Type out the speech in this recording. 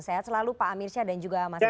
selalu pak amir syah dan juga mas islah